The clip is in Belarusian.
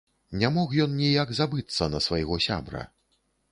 Не мог ён ніяк забыцца на свайго сябра.